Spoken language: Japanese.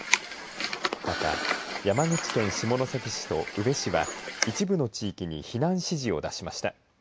また、山口県下関市と宇部市は一部の地域に避難指示を出しました。